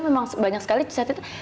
memang banyak sekali catetan